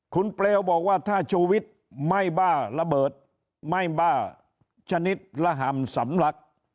คุณเปลวบอกว่าถ้าชูวิทย์ไม่บ้าระเบิดไม่บ้าชนิดระห่ำสำลัก